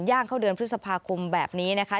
เข้าเดือนพฤษภาคมแบบนี้นะคะ